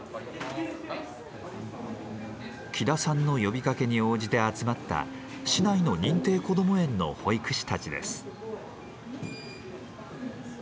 喜田さんの呼びかけに応じて集まった市内の認定こども園の保育士たちです。